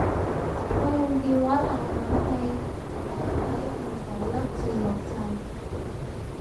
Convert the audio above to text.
我用電話瀏覽器開睇唔到粒字幕掣